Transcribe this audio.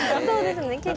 そうですね。